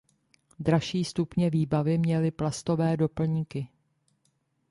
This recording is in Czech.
Dražší stupně výbavy měly plastové doplňky.